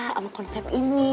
sama konsep ini